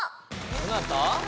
どなた？